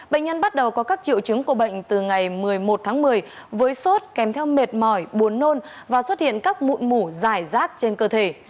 bệnh nhân bắt đầu có các triệu chứng của bệnh từ ngày một mươi một tháng một mươi với sốt kèm theo mệt mỏi buồn nôn và xuất hiện các mụn mủ dài rác trên cơ thể